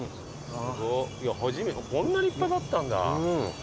こんな立派だったんだ。